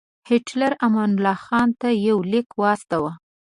هیټلر امان الله خان ته یو لیک واستاوه.